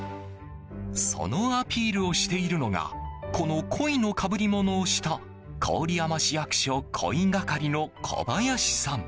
そのアピールをしているのがこの鯉のかぶりものをした郡山市役所鯉係の小林さん。